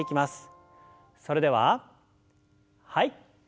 それでははい。